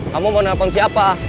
kamu mau nelfon siapa